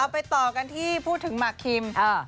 ไปต่อกันที่พูดถึงหมากคิม